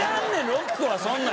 ロックはそんなん。